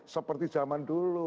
seperti zaman dulu